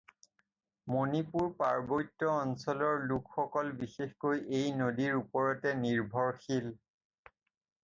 মণিপুৰ পাৰ্বত্য অঞ্চলৰ লোকসকল বিশষকৈ এই নদীৰ ওপৰতে নিৰ্ভৰশীল।